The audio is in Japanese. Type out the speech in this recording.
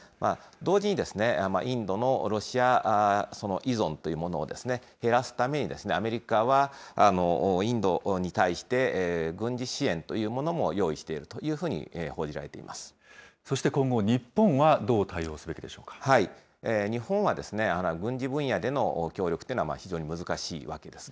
同時に、インドのロシア依存というものを減らすためにアメリカはインドに対して、軍事支援というものも用意しているというふうに報じられそして今後、日本はどう対応日本は、軍事分野での協力というのは非常に難しいわけです。